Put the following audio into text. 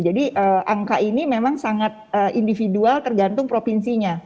jadi angka ini memang sangat individual tergantung provinsi